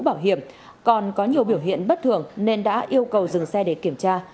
bảo hiểm còn có nhiều biểu hiện bất thường nên đã yêu cầu dừng xe để kiểm tra